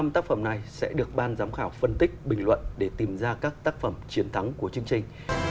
năm tác phẩm này sẽ được ban giám khảo phân tích bình luận để tìm ra các tác phẩm chiến thắng của chương trình